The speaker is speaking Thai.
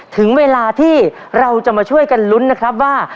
ถึงเวลาที่เราจะมาช่วยกันลุ้นนะครับว่า